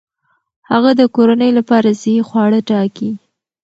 هغه د کورنۍ لپاره صحي خواړه ټاکي.